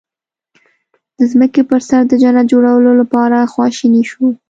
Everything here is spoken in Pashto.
د ځمکې په سر د جنت جوړولو لپاره خواشني شو.